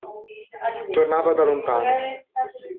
Tornava da lontano.